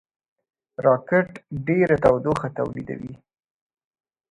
راکټ ډېره تودوخه تولیدوي